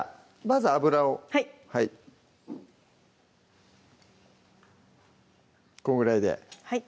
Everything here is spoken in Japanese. まず油をはいこんぐらいではい